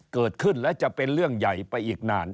เกิดขึ้นและจะเป็นเรื่องใหญ่ไปอีกนาน